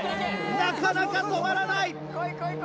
なかなか止まらない！